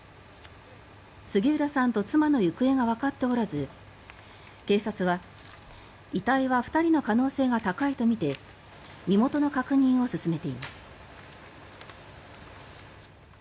杉浦さんと妻の行方がわかっておらず警察は遺体は２人の可能性が高いとみて身元の確認を進めています。